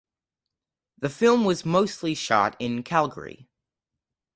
The film was mostly shot in Calgary.